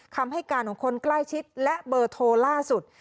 คำให้การของคนใกล้ชิดและเบอร์โทรล่าสุด